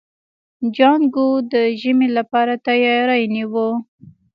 جانکو د ژمي لپاره تياری نيوه.